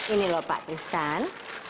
ini lho pak tristan